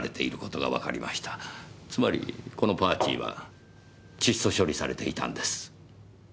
つまりこの「パーチー」は窒素処理されていたんです。